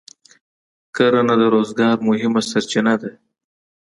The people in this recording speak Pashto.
کرنه د روزګار مهمه سرچینه ده.